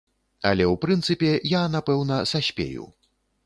Але ў прынцыпе, я, напэўна, саспею.